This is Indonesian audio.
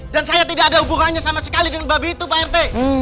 dan saya tidak ada hubungannya sama sekali dengan babi itu pak rt